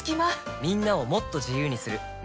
みんなをもっと自由にする「三菱冷蔵庫」